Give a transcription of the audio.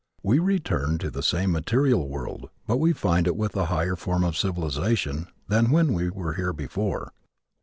We return to the same material world but we find it with a higher form of civilization than when we were here before.